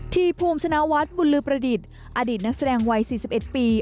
ทีภูมิชนะวัฒน์บุญลือประดิษฐ์อดีตนักแสดงวัย๔๑ปี